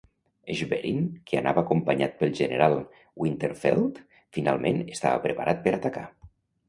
Schwerin, que anava acompanyat pel general Winterfeldt, finalment estava preparat per atacar.